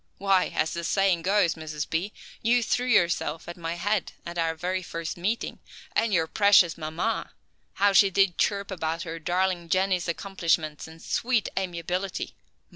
Why, as the saying goes, Mrs. B., you threw yourself at my head at our very first meeting. And your precious mamma! How she did chirp about her darling Jenny's accomplishments and sweet amiability.